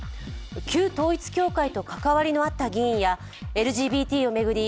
旧統一教会と関わりのあった議員やＬＧＢＴを巡り